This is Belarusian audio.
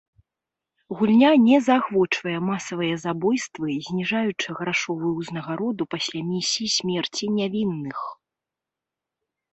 Гульня не заахвочвае масавыя забойствы, зніжаючы грашовую ўзнагароду пасля місіі смерці нявінных.